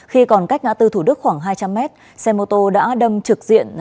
khi còn cách ngã tư thủ đức khoảng hai trăm linh m xe mô tô đã đâm trực diện